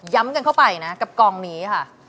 กันเข้าไปนะกับกองนี้ค่ะ